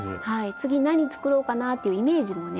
次何作ろうかなっていうイメージもね